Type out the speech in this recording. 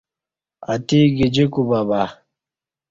اتی گجی کوبہبہ